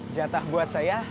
jatah buat saya